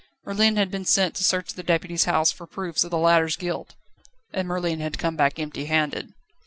Merlin had been sent to search the Deputy's house for proofs of the latter's guilt. And Merlin had come back empty handed.